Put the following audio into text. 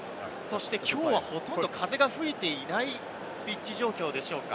きょうはほとんど風が吹いていないピッチ状況でしょうか。